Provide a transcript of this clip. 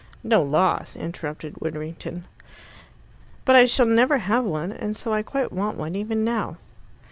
("No loss," interrupted Widdrington. "But I shall never have one, and so I quite want one, even now.")